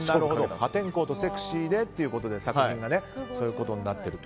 破天荒とセクシーでっていうことで作品がこういうことになってると。